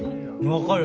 分かる。